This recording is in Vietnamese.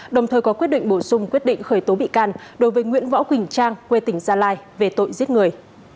đồng thời có quyết định bổ sung quyết định khởi tố bị can đối với nguyễn võ quỳnh trang quê tỉnh gia lai về tội giết người